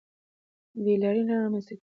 بې لارۍ نه رامنځته کېږي.